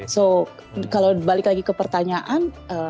so kalau balik lagi ke pertanyaan